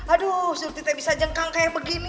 aduh suruh kita bisa jengkang kayak begini